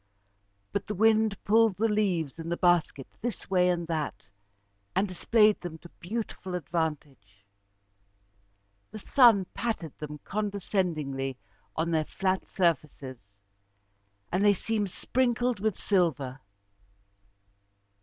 But the wind pulled the leaves in the basket this way and that, and displayed them to beautiful advantage. The sun patted them condescendingly on their flat surfaces, and they seemed sprinkled with silver.